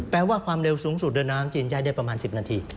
ว่าความเร็วสูงสุดเดินน้ำจีนใช้ได้ประมาณ๑๐นาที